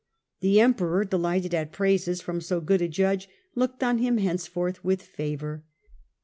The Em peror, delighted at praises from so good a judge, looked on him henceforth with favour.